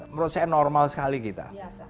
menurut saya normal sekali kita